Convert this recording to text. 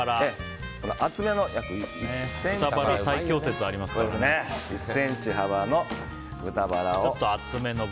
集めの約１ｃｍ幅の豚バラを。